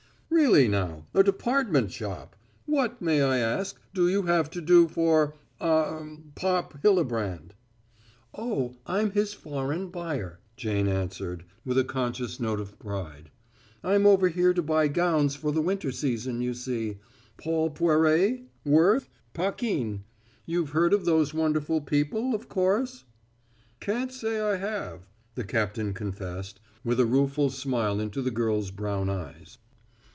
"Really, now; a department shop! What, may I ask, do you have to do for ah Pop Hildebrand?" "Oh, I'm his foreign buyer," Jane answered, with a conscious note of pride. "I'm over here to buy gowns for the winter season, you see. Paul Poiret Worth Paquin; you've heard of those wonderful people, of course?" "Can't say I have," the captain confessed, with a rueful smile into the girl's brown eyes.